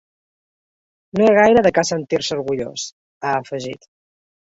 No hi ha gaire de què sentir-se orgullós, ha afegit.